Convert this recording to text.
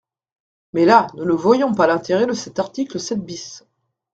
Mais là, nous ne voyons pas l’intérêt de cet article sept bis.